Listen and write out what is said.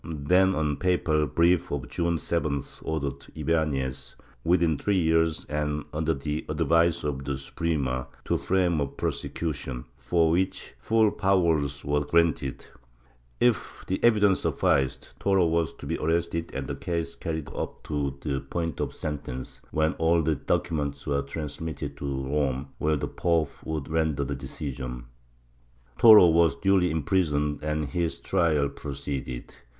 Then a papal brief of June 7th ordered Ybanez, within three years and under the advice of the Suprema, to frame a prosecution, for which full powers were granted; if the evidence sufficed, Toro was to be arrested and the case carried on up to the point of sentence, when all the docu ments were to be transmitted to Rome, where the pope would render the decision, Toro was duly imprisoned and his trial proceeded.